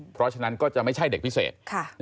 เพราะฉะนั้นก็จะไม่ใช่เด็กพิเศษ